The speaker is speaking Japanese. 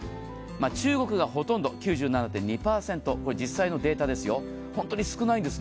中国がほとんど９７．２％実際のデータですよ、本当に少ないんです。